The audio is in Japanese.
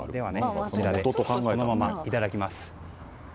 そのままいただきます。